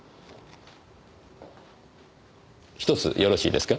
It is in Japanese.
１つよろしいですか？